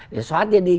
để xóa tiên đi